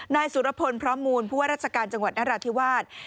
นายสุรพลพร้อมมูลผู้ว่าราชการจังหวัดนราธิวาส